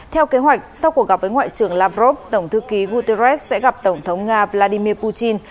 theo kế hoạch sau cuộc gặp với ngoại trưởng lavrov tổng thư ký guterres sẽ gặp tổng thống nga vladimir putin